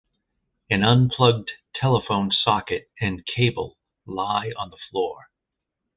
An unplugged telephone socket and cable lie on the floor.